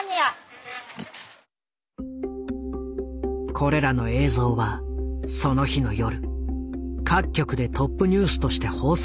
これらの映像はその日の夜各局でトップニュースとして放送されている。